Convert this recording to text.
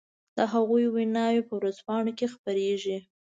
د هغو ويناوې په ورځپانو کې خپرېږي.